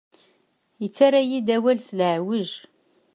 Yettarra-yi-d awal s leɛweǧ.